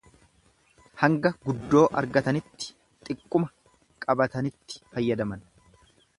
Hanga guddoo argatanitti xiqquma qabanitti fayyadaman.